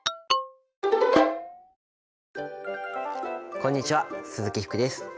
こんにちは鈴木福です。